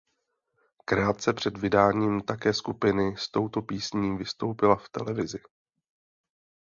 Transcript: Krátce před vydáním také skupiny s touto písní vystoupila v televizi.